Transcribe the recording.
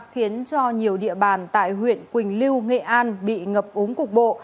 khiến cho nhiều địa bàn tại huyện quỳnh lưu nghệ an bị ngập úng cục bộ